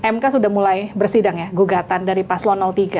mk sudah mulai bersidang ya gugatan dari paslon tiga